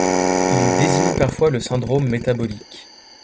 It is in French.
Il désigne parfois le syndrome métabolique.